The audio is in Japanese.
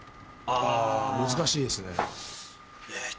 あぁ難しいですね。